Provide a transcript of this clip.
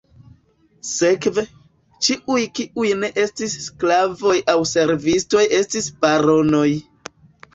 Sekve, ĉiuj kiuj ne estis sklavoj aŭ servistoj estis ""baronoj"".